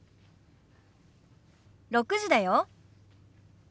６時だよ。